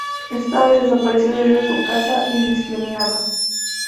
Esta ave desapareció debido a su caza indiscriminada.